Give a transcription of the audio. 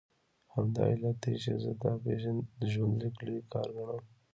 همدا علت دی چې زه دا ژوندلیک لوی کار ګڼم.